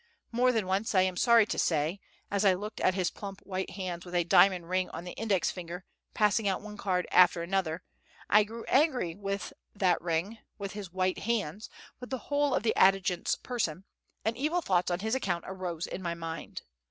More than once, I am sorry to say, as I looked at his plump white hands with a diamond ring on the index finger, passing out one card after another, I grew angry with that ring, with his white hands, with the whole of the adjutant's person, and evil thoughts on his account arose in my mind.